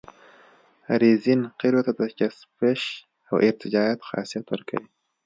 رزین قیرو ته د چسپش او ارتجاعیت خاصیت ورکوي